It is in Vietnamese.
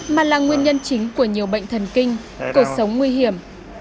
mà là nguyên nhân chính của nhiều bệnh thần kinh cuộc sống nguy hiểm